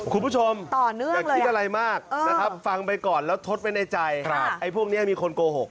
คุณผู้ชมต่อเนื่องอย่าคิดอะไรมากนะครับฟังไปก่อนแล้วทดไว้ในใจไอ้พวกนี้มีคนโกหก